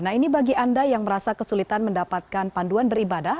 nah ini bagi anda yang merasa kesulitan mendapatkan panduan beribadah